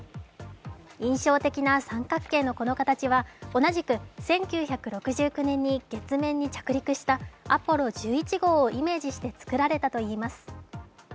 印象的な三角形のこの形は同じく１９６９年に月面に着陸したアポロ１１号をイメージして作られたといいます。